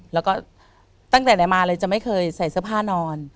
แล้วก็ตั้งแต่ไหนมาเลยจะไม่เคยใส่เสื้อผ้านอน